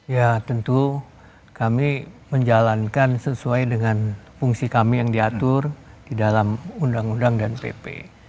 ya tentu kami menjalankan sesuai dengan fungsi kami yang diatur di dalam undang undang dan pp